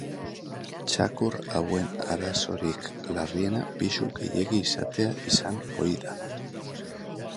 Txakur hauen arazorik larriena pisu gehiegi izatea izan ohi da.